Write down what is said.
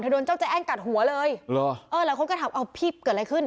โดนเจ้าใจแอ้นกัดหัวเลยเหรอเออหลายคนก็ถามเอาพี่เกิดอะไรขึ้น